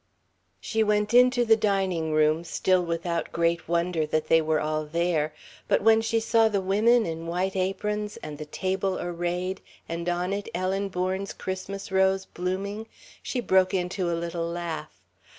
She went into the dining room, still without great wonder that they were all there; but when she saw the women in white aprons, and the table arrayed, and on it Ellen Bourne's Christmas rose blooming, she broke into a little laugh.